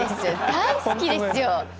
大好きですよ。